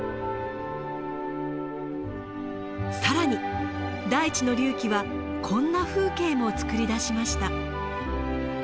更に大地の隆起はこんな風景もつくり出しました。